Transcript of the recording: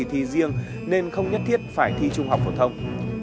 tổ chức kỳ thi riêng nên không nhất thiết phải thi trung học phổ thông